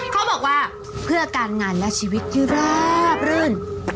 เขาบอกว่าเพื่อการงานและชีวิตที่ราบรื่น